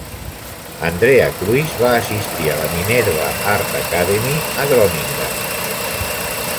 Andrea Kruis va assistir a la Minerva Art Academy, a Groningen.